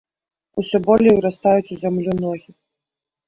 Усё болей урастаюць у зямлю ногі.